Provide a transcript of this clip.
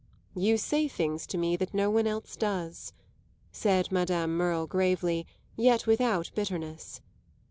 "You say things to me that no one else does," said Madame Merle gravely, yet without bitterness.